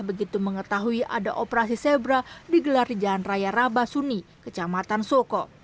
begitu mengetahui ada operasi zebra digelar di jalan raya rabasuni kecamatan soko